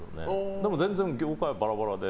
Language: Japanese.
でも全然業界はバラバラで。